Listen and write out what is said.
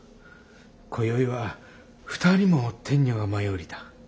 今宵は２人も天女が舞い降りた。